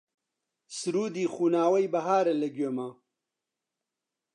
سروودی خوناوەی بەهارە لە گوێما